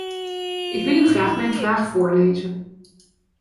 Ik wil u graag mijn vraag voorlezen.